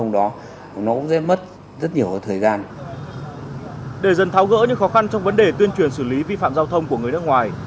để tháo gỡ những khó khăn trong vấn đề tuyên truyền xử lý vi phạm giao thông của người nước ngoài